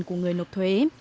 của người nộp thuế